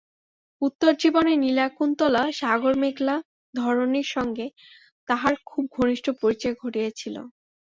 উত্তরজীবনে নীলকুন্তলা সাগরমেখলা ধরণীর সঙ্গে তাহার খুব ঘনিষ্ঠ পরিচয় ঘটিয়াছিল।